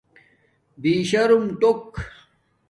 بِشرم ٹوک